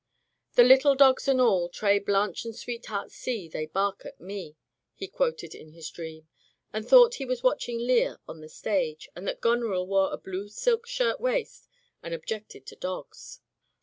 "The little dogs and all, Tray, Blanch and Sweetheart, see, they bark at me," he quoted in his dream, and thought he was watching Lear on the stage, and that Goneril wore a blue silk shirt waist, and ob jected to dogs.